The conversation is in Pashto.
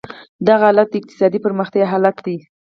دغه حالت د اقتصادي پرمختیا حالت دی.